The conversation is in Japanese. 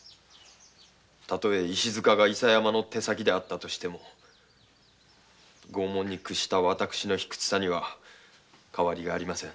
たとえ石塚が伊佐山の手先であったとしても拷問に屈した私の卑屈さには変わりありません。